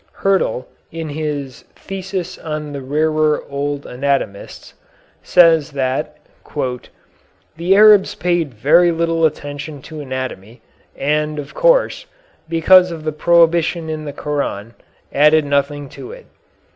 Hyrtl, in his "Thesis on the Rarer Old Anatomists," says that "the Arabs paid very little attention to anatomy, and, of course, because of the prohibition in the Koran, added nothing to it.